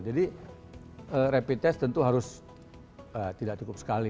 jadi rapid test tentu harus tidak cukup sekali